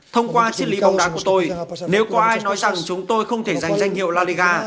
thông qua chiến lý bóng đá của tôi nếu có ai nói rằng chúng tôi không thể giành danh hiệu la liga